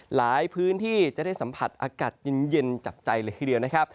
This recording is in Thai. หลายพื้นที่จะได้สัมผัสอากาศเย็นจับใจหลีก็ได้